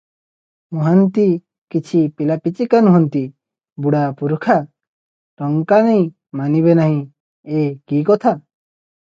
ମହାନ୍ତି କିଛି ପିଲାପିଚିକା ନୁହନ୍ତି, ବୁଢ଼ା ପୁରୁଖା, ଟଙ୍କା ନେଇ ମାନିବେ ନାହିଁ, ଏ କି କଥା?